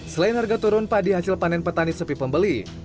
selain harga turun padi hasil panen petani sepi pembeli